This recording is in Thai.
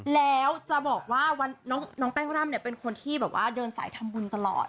แล้วจะบอกว่าน้องแป้งร่ำเนี่ยเป็นคนที่แบบว่าเดินสายทำบุญตลอด